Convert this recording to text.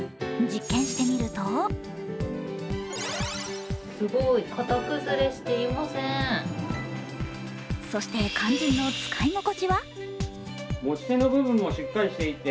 実験してみるとそして、肝心の使い心地は？